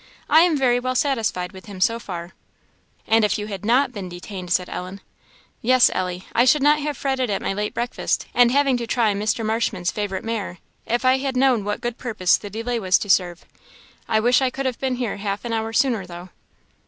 I am very well satisfied with him, so far." "And if you had not been detained!" said Ellen. "Yes, Ellie I should not have fretted at my late breakfast and having to try Mr. Marshman's favourite mare, if I had known what good purpose the delay was to serve. I wish I could have been here half an hour sooner, though."